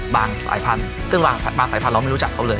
สายพันธุ์ซึ่งบางสายพันธเราไม่รู้จักเขาเลย